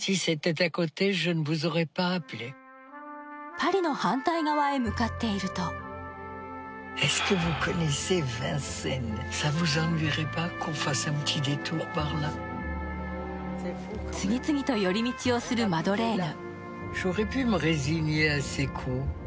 パリの反対側へ向かっていると次々と寄り道をするマドレーヌ。